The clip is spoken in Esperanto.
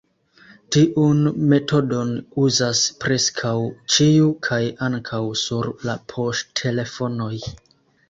Tiun metodon uzas preskaŭ ĉiu kaj ankaŭ sur la poŝtelefonoj.